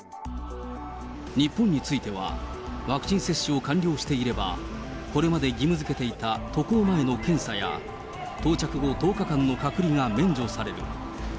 日本については、ワクチン接種を完了していれば、これまで義務づけていた渡航前の検査や、到着後、１０日間の隔離が免除される。